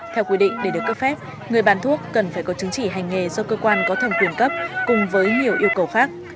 theo quy định để được cấp phép người bán thuốc cần phải có chứng chỉ hành nghề do cơ quan có thẩm quyền cấp cùng với nhiều yêu cầu khác